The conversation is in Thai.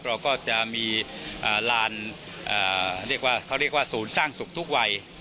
เราก็จะมีลานเรียกว่าเขาเรียกว่าศูนย์สร้างสุขทุกวัย